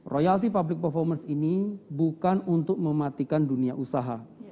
royalty public performance ini bukan untuk mematikan dunia usaha